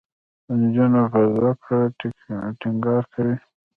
د نجونو په زده کړه ټینګار کوي.